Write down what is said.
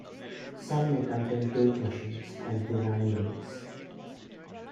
Some may contain tape machines and vinyl lathes.